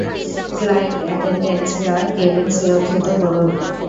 Flight অ্যাটেনডেন্টরা, cabin সুরক্ষিত করুন।